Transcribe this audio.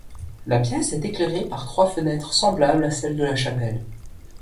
La pièce est éclairée par trois fenêtres semblables à celles de la chapelle.